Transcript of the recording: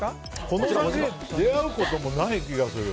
この先出会うこともない気がする。